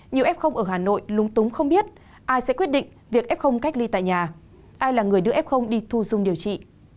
nhiều f ở hà nội lúng túng không biết ai sẽ quyết định việc f cách ly tại nhà ai là người đưa f đi thu dung điều trị